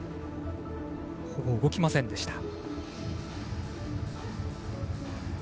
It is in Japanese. ほぼ動きませんでした。